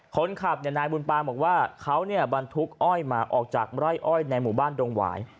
คนขับนายบุญปางบอกว่าเขาบรรทุกอ้อยมาออกจากไร่อ้อยในหมู่บ้านดงหวาย